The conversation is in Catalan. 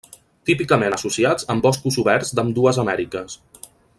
Típicament associats amb boscos oberts d'ambdues Amèriques.